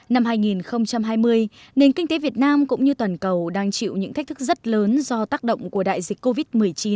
năm hai nghìn hai mươi nền kinh tế việt nam cũng như toàn cầu đang chịu những thách thức rất lớn do tác động của đại dịch covid một mươi chín